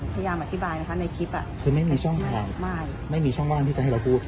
พยายามอธิบายนะคะในคลิปอ่ะคือไม่มีช่องว่างที่จะให้เราพูด